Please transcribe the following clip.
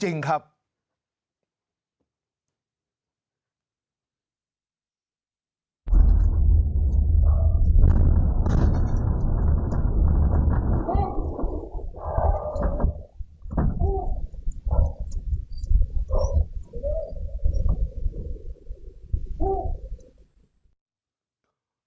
มันน่ากล้องกล้องแบบนี้ที่ตรงที่มันวิ่ง